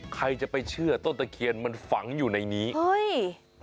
ใครจะไปเชื่อต้นตะเคียนมันฝังอยู่ในนี้เฮ้ย